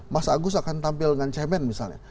mas agus akan tampil dengan cemen misalnya